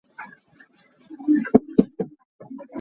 Ruah a sur tuk caah kan kal kho lo.